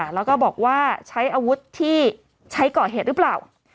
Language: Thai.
แล้วก็บอกว่าใช้อาวุธที่ใช้ก่อเหตุหรือเปล่า